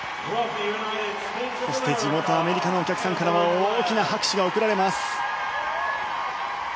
そして地元アメリカのお客さんからは大きな拍手が送られます。